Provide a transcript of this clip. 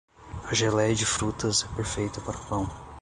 A geleia de frutas é perfeita para o pão.